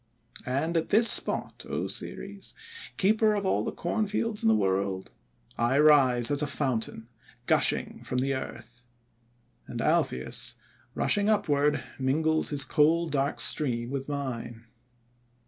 "And at this spot, O Ceres, Keeper of all the Corn Fields in the World, I rise as a fountain, gushing from the earth. And Alpheus, rushing upward, mingles his cold dark stream with mine.'